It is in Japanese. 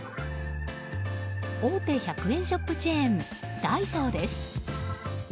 大手１００円ショップチェーンダイソーです。